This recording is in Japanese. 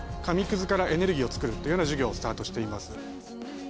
紙くずからエネルギーを作るというような事業をスタートしています。